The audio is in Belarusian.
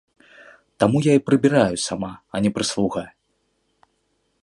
Таму я і прыбіраю сама, а не прыслуга.